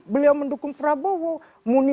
beliau mendukung prabowo muni